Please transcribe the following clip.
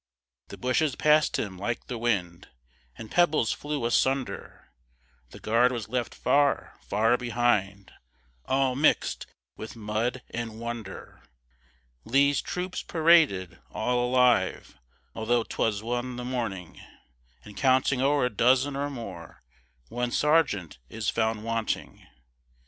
The bushes pass'd him like the wind, And pebbles flew asunder, The guard was left far, far behind, All mix'd with mud and wonder. Lee's troops paraded, all alive, Although 'twas one the morning, And counting o'er a dozen or more, One sergeant is found wanting.